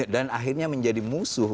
dan akhirnya menjadi musuh